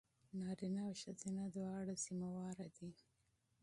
نارینه او ښځینه دواړه مسوول دي.